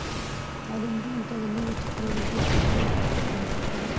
تعلیم نجونو ته د نوي ټیکنالوژۍ کارول ور زده کوي.